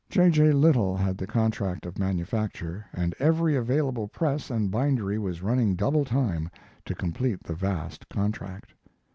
J. J. Little had the contract of manufacture, and every available press and bindery was running double time to complete the vast contract.